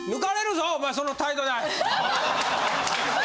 その態度で。